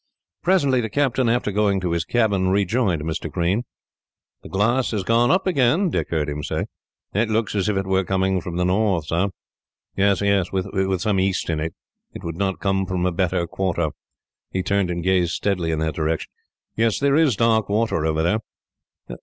Presently the captain, after going to his cabin, rejoined Mr. Green. "The glass has gone up again," Dick heard him say. "That looks as if it were coming from the north, sir." "Yes, with some east in it. It could not come from a better quarter." He turned and gazed steadily in that direction. "Yes, there is dark water over there."